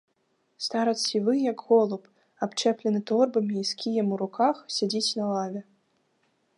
Старац сівы, як голуб, абчэплены торбамі і з кіем у руках сядзіць на лаве.